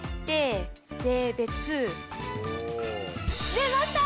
出ました！